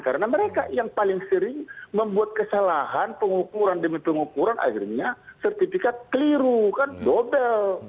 karena mereka yang paling sering membuat kesalahan pengukuran demi pengukuran akhirnya sertifikat keliru kan dobel